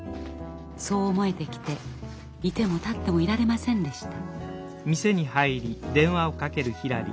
そう思えてきて居ても立ってもいられませんでした。